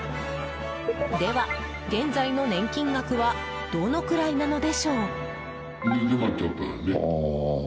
では、現在の年金額はどのくらいなのでしょう。